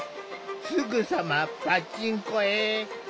すぐさまパチンコへ。